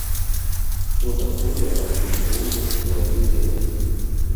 Што такое абгрунтоўваць сваю веру?